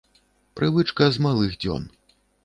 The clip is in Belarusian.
Прывычка з малых дзён.